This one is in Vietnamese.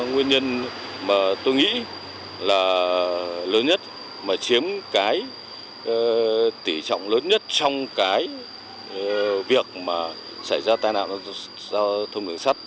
nguyên nhân mà tôi nghĩ là lớn nhất mà chiếm cái tỉ trọng lớn nhất trong cái việc mà xảy ra tai nạn giao thông đường sắt